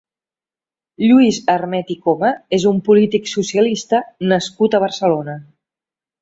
Lluís Armet i Coma és un polític socialista nascut a Barcelona.